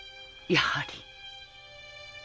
やはり。